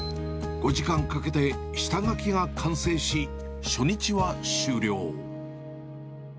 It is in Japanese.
５時間かけて下描きが完成し、初日は終了。